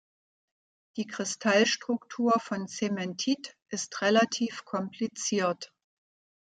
Die Kristallstruktur von Zementit ist relativ kompliziert.